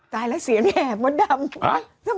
ตายแล้วเสียแน่มดดำ